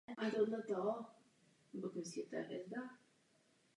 Další druhy mají sociální uspořádání mezi oběma extrémy.